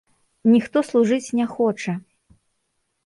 Ніхто служыць не хоча.